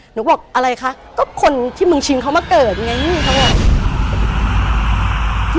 หนูก็บอกอะไรคะก็คนที่มึงชิงเขามาเกิดอย่างนี้